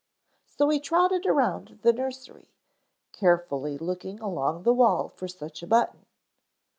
So he trotted around the nursery, carefully looking along the wall for such a button.